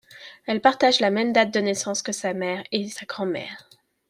Elle partage la même date de naissance que sa mère et sa grand-mère.